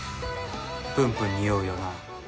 プンプンにおうよな。